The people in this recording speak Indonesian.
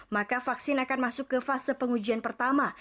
maka vaksin akan masuk ke fase pengujian pertama